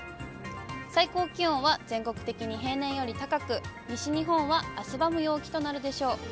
最高気温は全国的に平年より高く、西日本は汗ばむ陽気となるでしょう。